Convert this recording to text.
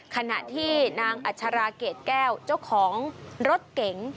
ขณะที่นางอัชราเกรดแก้วเจ้าของรถเก๋ง